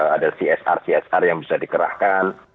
ada csr csr yang bisa dikerahkan